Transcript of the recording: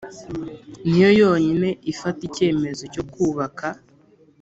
ni yo yonyine ifata icyemezo cyo kubaka